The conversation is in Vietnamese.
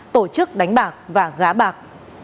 tổ chức đánh bạc và giá bạc